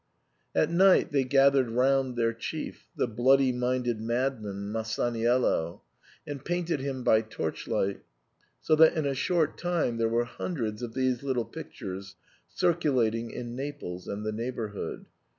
At night they gathered round their chief, the bloody minded madman Masaniello,* and painted him by torchlight, so that in a short time there were hun dreds of these little pictures " circulating in Naples and the neighbourhood.